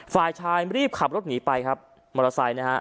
ฝ่ายชายรีบขับรถหนีไปครับมอเตอร์ไซค์นะฮะ